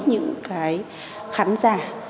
những cái khán giả